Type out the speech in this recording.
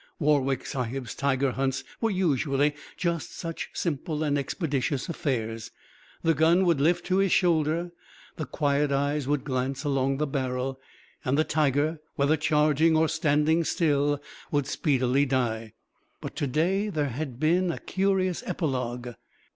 Warwick Sahib's tiger hunts were usually just such simple and expeditious affairs. The gun would lift to his shoulder, the quiet eyes would glance along the barrel and the tiger, whether charging or standing still would speedily die. But to day there had been a curious epilogue.